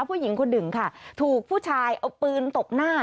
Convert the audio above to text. ผู้หญิงคนหนึ่งค่ะถูกผู้ชายเอาปืนตบหน้า